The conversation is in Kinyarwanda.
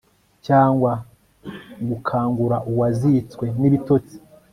cyangwa gukangura uwazitswe n'ibitotsi